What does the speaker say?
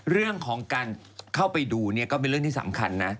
เรื่องของการเข้าไปดูเนี่ยก็เป็นเรื่องที่สำคัญนะ